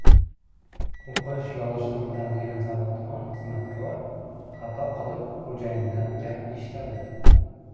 – o‘qish-yozishni biladigan, savodxon xizmatkor xato qilib, xo‘jayinidan gap eshitadi.